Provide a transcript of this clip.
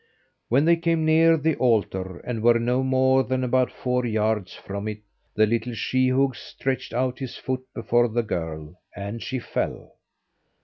When they came near the altar, and were no more than about four yards from it, the little sheehogue stretched out his foot before the girl, and she fell.